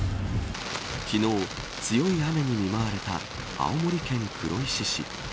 昨日、強い雨に見舞われた青森県黒石市。